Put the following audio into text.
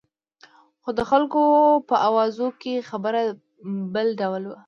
خو د خلکو په اوازو کې خبره بل ډول وه.